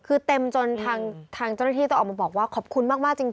คือเต็มจนทางเจ้าหน้าที่ต้องออกมาบอกว่าขอบคุณมากจริง